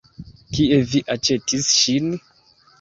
Kie vi aĉetis ŝin?